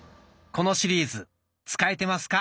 このシリーズ「使えてますか？